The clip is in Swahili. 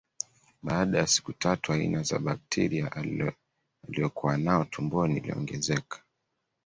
Baada ya siku tatu aina ya bakteria aliokuwa nao tumboni iliongezeka